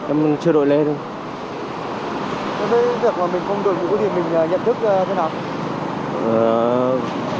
với việc mà mình không đội mũ thì mình nhận thức thế nào